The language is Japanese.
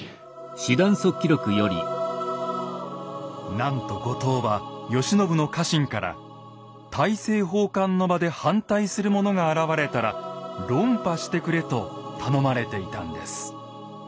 なんと後藤は慶喜の家臣から大政奉還の場で反対する者が現れたら論破してくれと頼まれていたんです。